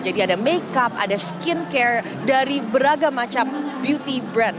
jadi ada make up ada skin care dari beragam macam beauty brand